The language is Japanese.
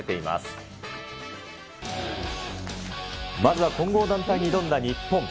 まずは混合団体に挑んだ日本。